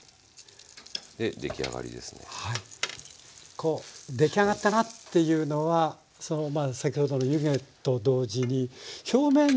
こう「出来上がったな」っていうのは先ほどの湯気と同時に表面を見た時にも。